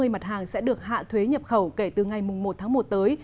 tám trăm năm mươi mặt hàng sẽ được hạ thuế nhập khẩu kể từ ngày một tháng một tới